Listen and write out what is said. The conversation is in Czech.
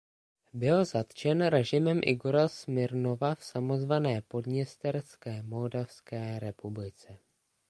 Byl zatčen režimem Igora Smirnova v samozvané Podněsterské moldavské republice.